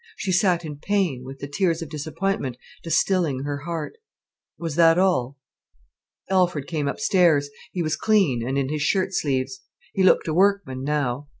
She sat in pain, with the tears of disappointment distilling her heart. Was that all? Alfred came upstairs. He was clean, and in his shirt sleeves. He looked a workman now.